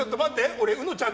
俺、うのちゃん